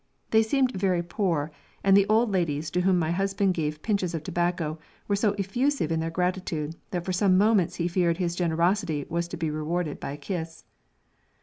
They seemed very poor, and the old ladies to whom my husband gave pinches of tobacco were so effusive in their gratitude that for some moments he feared his generosity was to be rewarded by a kiss.